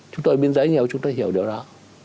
chúng tôi ở biên giới nhiều chúng tôi hiểu điều đó